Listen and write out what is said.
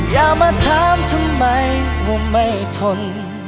อย่ามาถามทำไมว่าไม่ทน